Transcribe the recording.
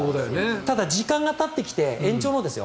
ただ、時間がたってきて延長のですよ。